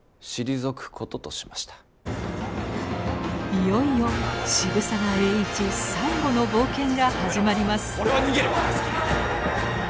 いよいよ渋沢栄一最後の冒険が始まります。